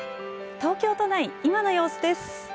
東京都内、今の様子です。